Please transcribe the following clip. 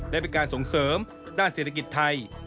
และเป็นการส่งเสริมด้านศิลปิศาสตร์ไทย